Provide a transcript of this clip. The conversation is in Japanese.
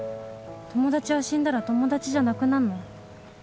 友達は死んだら友達じゃなくなんの？